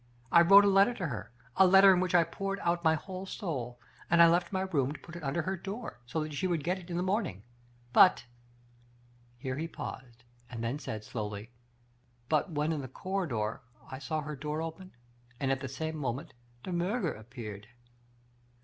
I wrote a letter to her, a letter in which 1 poured out my whole soul, and I left my room to put it under her door, so that she would get it in the morning. But "— here he paused, and then said, slowly, " but when in the corridor, I saw her door open, and at the same moment De Miirger appeared."